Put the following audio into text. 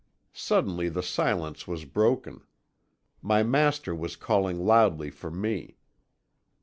"Suddenly the silence was broken. My master was calling loudly for me.